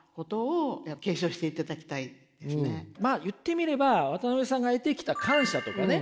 まあ言ってみれば渡辺さんが得てきた感謝とかね